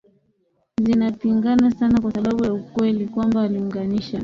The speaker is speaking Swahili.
zinapingana sana kwa sababu ya ukweli kwamba waliunganisha